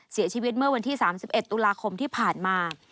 เสียชีวิตเมื่อวันที่๓๑ตุลาคมที่ผ่านมา